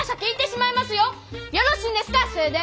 よろしいんですかそれで！？